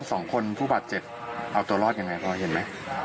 แล้วสองคนผู้บาดเจ็ดเอาตัวรอดยังไงครับเห็นไหม